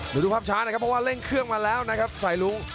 แล้วเล่นเครื่องมาแล้วนะครับใส่รุ้ง